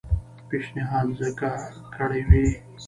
پېشنهاد ځکه کړی وي.